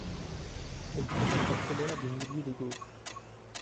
Et provoque la colère des milieux de gauche.